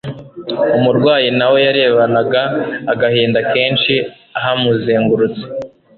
Umurwayi na we yarebanaga agahinda kenshi ahamuzengurutse.